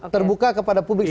terbuka kepada publik